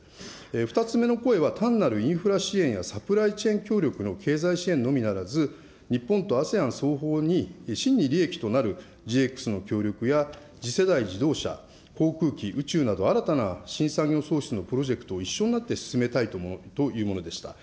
２つ目の声は、単なるインフラ支援やサプライチェーン協力の経済支援のみならず、日本とＡＳＥＡＮ双方に、真に利益となるＧＸの協力や、次世代自動車、航空機、宇宙など、新たな新産業創出のプロジェクトを一緒になって進めたいというものでした。